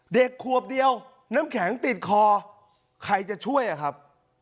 เด็กขวบเดียวน้ำแข็งติดคอใครจะช่วยอะครับ